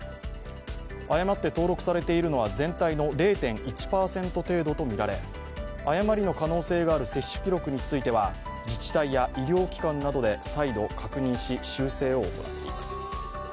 誤って登録されているのは全体の０．１％程度とみられ誤りの可能性がある接種記録については自治体や医療機関などで再度確認し、修正を行っています。